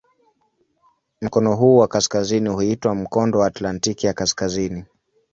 Mkono huu wa kaskazini huitwa "Mkondo wa Atlantiki ya Kaskazini".